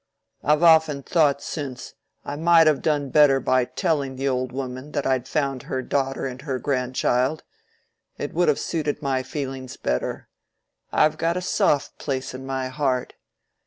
I've often thought since, I might have done better by telling the old woman that I'd found her daughter and her grandchild: it would have suited my feelings better; I've got a soft place in my heart.